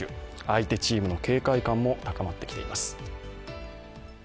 相手チームの警戒感も高まってきています。